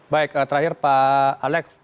baik terakhir pak alex